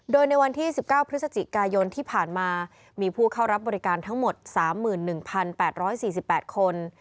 โดยในวันที่๑๙พฤศจิกายนที่ผ่านมามีผู้เข้ารับบริการทั้งหมด๓๑๘๔๘คน